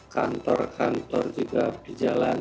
kantor kantor juga berjalan